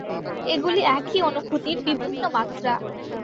এগুলি একই অনুভূতির বিভিন্ন মাত্রা।